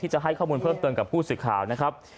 จะให้ข้อมูลเพิ่มเติมกับผู้สื่อข่าวนะครับ